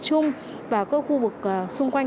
chung và các khu vực xung quanh